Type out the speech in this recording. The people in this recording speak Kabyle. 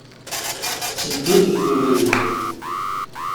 Tetteddu deg ubrid.